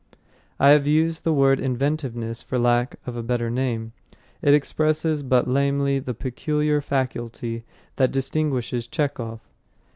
I have used the word inventiveness for lack of a better name. It expresses but lamely the peculiar faculty that distinguishes Chekhov.